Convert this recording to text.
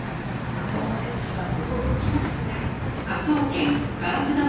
どうせ好き勝手動くに決まってますから。